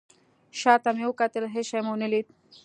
شاته مې وکتل. هیڅ شی مې ونه لید